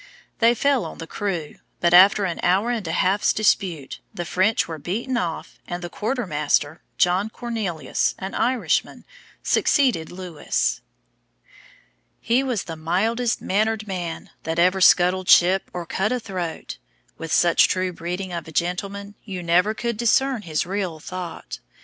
They fell on the crew; but, after an hour and a half's dispute, the French were beaten off, and the quarter master, John Cornelius, an Irishman, succeeded Lewis. "He was the mildest manner'd man, That ever scuttled ship or cut a throat; With such true breeding of a gentleman, You never could discern his real thought.